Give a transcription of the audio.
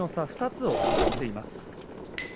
２つを追っています。